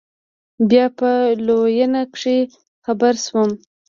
بيا په لوېينه کښې خبر سوم.